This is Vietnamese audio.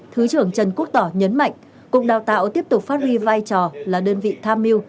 thứ trưởng trần quốc tỏ nhấn mạnh cục đào tạo tiếp tục phát huy vai trò là đơn vị tham mưu